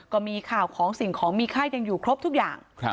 ก็มีข่าวของสิ่งของมีค่ายังอยู่ครบทุกอย่าง